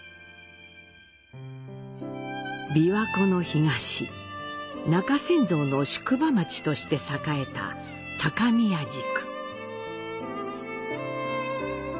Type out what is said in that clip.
琵琶湖の東、中山道の宿場町として栄えた高宮宿。